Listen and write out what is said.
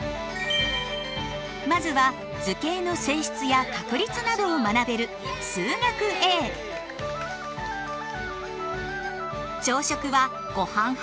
まずは図形の性質や確率などを学べる朝食はごはん派？